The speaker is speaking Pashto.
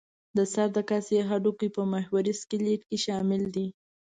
د سر د کاسې هډوکي په محوري سکلېټ کې شامل دي.